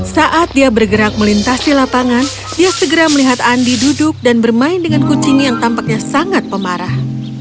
saat dia bergerak melintasi lapangan dia segera melihat andi duduk dan bermain dengan kucing yang tampaknya sangat pemarah